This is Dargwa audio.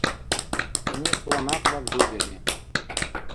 ГӀиникъла мякьлаб дугели